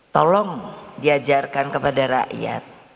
tolong diajarkan kepada rakyat